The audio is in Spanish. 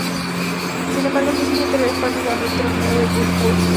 Sin embargo, al mes siguiente Reg Parnell ganó el Trofeo de Goodwood.